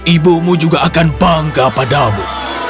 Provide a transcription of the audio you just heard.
ibumu juga akan bangga padamu